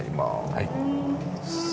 はい。